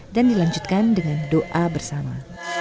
dan dilanjutkan dengan doa bersama